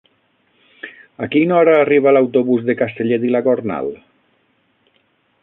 A quina hora arriba l'autobús de Castellet i la Gornal?